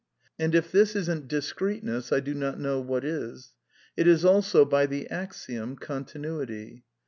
And if this isn't discreteness, I do not know what\ is. It is also, by the axiom, continuity.